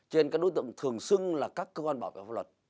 cho nên các đối tượng thường xưng là các cơ quan bảo vệ pháp luật